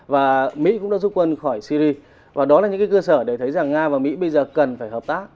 và mỹ cũng đã rút quân khỏi syri và đó là những cơ sở để thấy rằng nga và mỹ bây giờ cần phải hợp tác